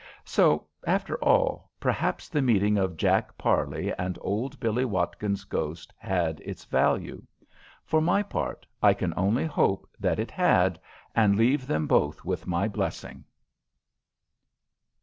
So, after all, perhaps the meeting of Jack Parley and old Billie Watkins's ghost had its value. For my part, I can only hope that it had, and leave them both with my blessing.